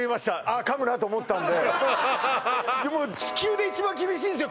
あ噛むなと思ったんでもう地球で一番厳しいですよ